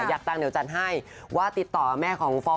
อยากตังค์เดี๋ยวจัดให้ว่าติดต่อแม่ของฟอส